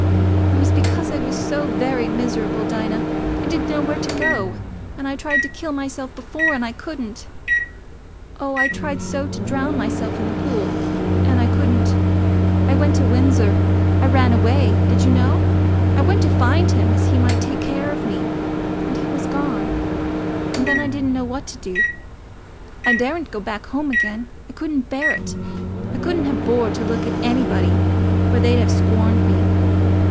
It was because I was so very miserable, Dinah... I didn't know where to go... and I tried to kill myself before, and I couldn't. Oh, I tried so to drown myself in the pool, and I couldn't. I went to Windsor—I ran away—did you know? I went to find him, as he might take care of me; and he was gone; and then I didn't know what to do. I daredn't go back home again—I couldn't bear it. I couldn't have bore to look at anybody, for they'd have scorned me.